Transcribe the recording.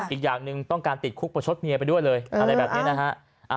อีกอย่างหนึ่งต้องการติดคุกประชดเมียไปด้วยเลยอะไรแบบนี้นะฮะ